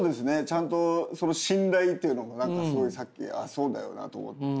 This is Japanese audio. ちゃんとその信頼というのも何かすごいさっきあっそうだよなと。